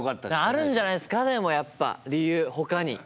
あるんじゃないですかでもやっぱ理由ほかに。